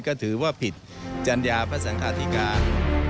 ก็ถือว่าผิดจัญญาพระสังคาธิการ